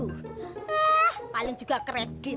eh paling juga kredit